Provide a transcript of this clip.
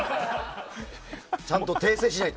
ちゃんと訂正しないと。